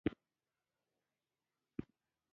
شیدې طبیعي خوږ لري.